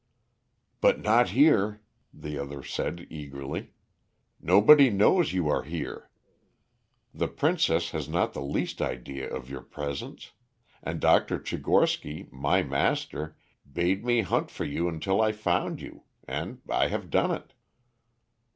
"But not here," the other said eagerly. "Nobody knows you are here. The princess has not the least idea of your presence. And Dr. Tchigorsky, my master, bade me hunt for you until I found you. And I have done it."